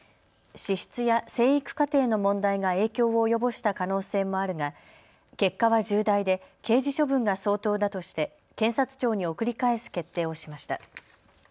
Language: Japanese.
資質や生育過程の問題が影響を及ぼした可能性もあるが結果は重大で刑事処分が相当だとして検察庁に送り返す決定をしました。